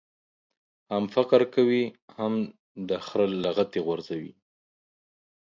هم فقر کوې ، هم دي خر لغتي غورځوي.